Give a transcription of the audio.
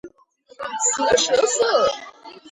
გავრცელებულია ევროპაში, აზიაში, ჩრდილოეთ-დასავლეთ აფრიკაში.